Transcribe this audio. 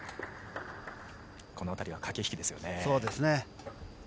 この辺りは駆け引きですよね。